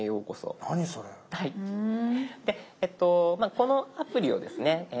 このアプリをですね